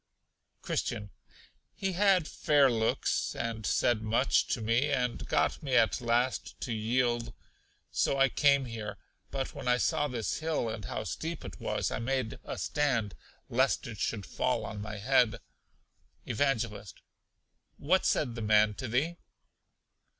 Christian. He had fair looks, and said much to me, and got me at last to yield; so I came here. But when I saw this hill, and how steep it was, I made a stand, lest it should fall on my head. Evangelist. What said the man to thee?